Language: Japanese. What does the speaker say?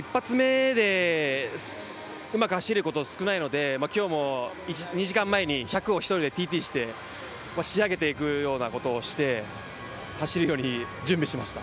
１発目でうまく走れること、少ないので今日も２時間前に１００を一人でＴＴして仕上げていくようなことをして、走るように準備していました。